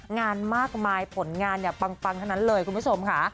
งานมากมายผลงานเนี่ยปังทั้งนั้นเลยคุณผู้ชมค่ะ